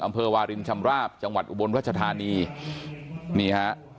วารินชำราบจังหวัดอุบลรัชธานีนี่ฮะ